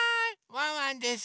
ワンワンです。